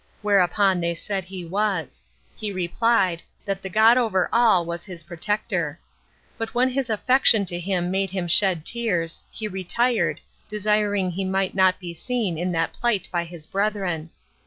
Whereupon they said he was: he replied, that the God over all was his protector. But when his affection to him made him shed tears, he retired, desiring he might not be seen in that plight by his brethren.